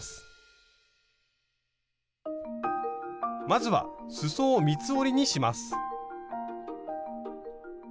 まずはすそを三つ折りにします。